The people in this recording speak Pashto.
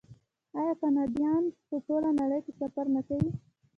آیا کاناډایان په ټوله نړۍ کې سفر نه کوي؟